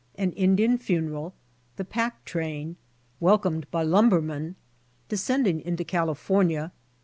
an indian funeral. — the pack train. — welcomed by lumbermen. — descending into california.